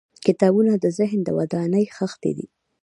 • کتابونه د ذهن د ودانۍ خښتې دي.